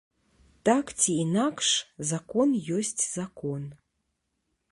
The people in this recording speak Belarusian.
Так ці інакш, закон ёсць закон.